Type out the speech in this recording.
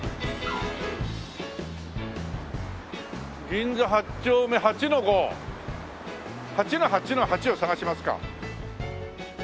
「銀座八丁目８ー５」８ー８ー８を探しますか。